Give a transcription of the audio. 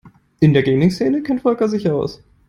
In der Gaming-Szene kennt Volker sich aus.